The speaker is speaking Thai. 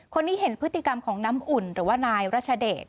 คนนี้เห็นพฤติกรรมของน้ำอุ่นหรือว่านายรัชเดช